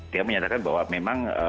dia menyatakan bahwa memang